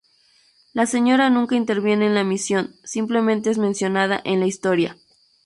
La señora nunca interviene en la emisión; simplemente es mencionada en la historia.